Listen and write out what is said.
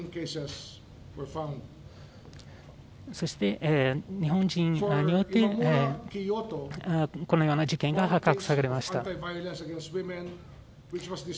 そして日本で、このような事件が発覚されました。